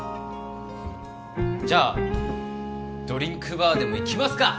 じゃあドリンクバーでもいきますか！